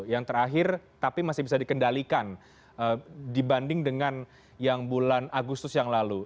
yang terakhir tapi masih bisa dikendalikan dibanding dengan yang bulan agustus yang lalu